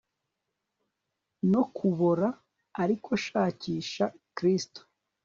no kubora ariko shakisha kristo